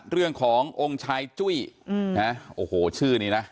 เรื่องขององค์ชายจุ้ยนะโอ้โหชื่อนี้นะ